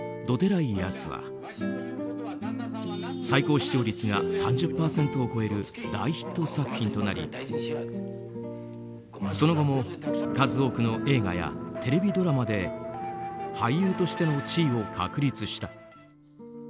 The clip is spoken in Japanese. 「どてらい男」は最高視聴率が３０％を超える大ヒット作品となりその後も、数多くの映画やテレビドラマで俳優としての地位を確立した。